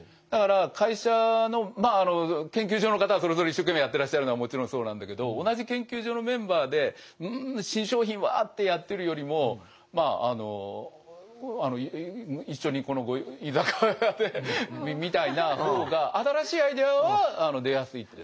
だから会社のまああの研究所の方はそれぞれ一生懸命やってらっしゃるのはもちろんそうなんだけど同じ研究所のメンバーで「ん新商品は」ってやってるよりもあの一緒にこの居酒屋でみたいな方が新しいアイデアは出やすい。